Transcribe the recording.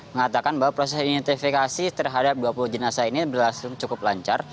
mengatakan bahwa proses identifikasi terhadap dua puluh jenazah ini berlangsung cukup lancar